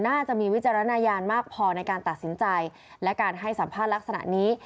น่าจะมีวิจารณญาณมากพอในการตัดสินใจและการให้สัมภาษณ์ลักษณะนี้